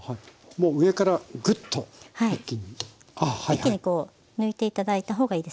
一気に抜いて頂いた方がいいですね。